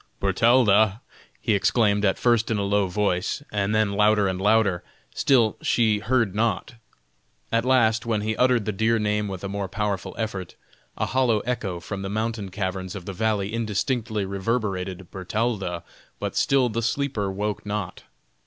"Bertalda!" he exclaimed, at first in a low voice, and then louder and louder still she heard not. At last, when he uttered the dear name with a more powerful effort, a hollow echo from the mountain caverns of the valley indistinctly reverberated "Bertalda!" but still the sleeper woke not.